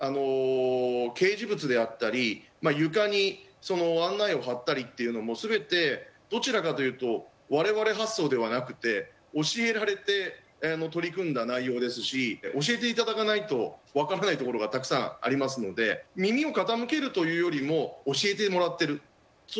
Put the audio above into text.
掲示物であったりまあ床にその案内を張ったりっていうのも全てどちらかというと我々発想ではなくて教えられて取り組んだ内容ですし教えていただかないと分からないところがたくさんありますので耳を傾けるというよりも教えてもらっているそう